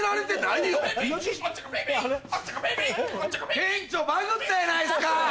店長バグったやないですか！